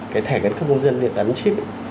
cái thẻ căn cứ công dân gắn chip